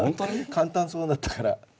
簡単そうだったから。